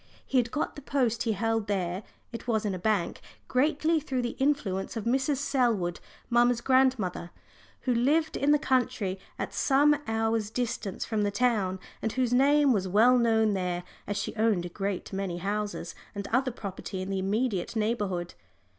He had got the post he held there it was in a bank greatly through the influence of Mrs. Selwood, mamma's godmother, who lived in the country at some hours' distance from the town, and whose name was well known there, as she owned a great many houses and other property in the immediate neighbourhood.